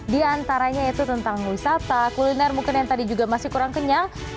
di antaranya itu tentang wisata kuliner mungkin yang tadi juga masih kurang kenyang